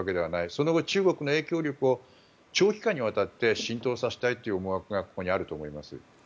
その後、中国の影響力を長期間にわたって浸透させたいという思惑がここにあると思います。